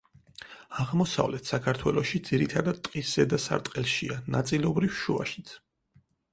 აღმოსავლეთ საქართველოში ძირითადად ტყის ზედა სარტყელშია, ნაწილობრივ შუაშიც.